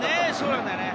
そうなんだよね。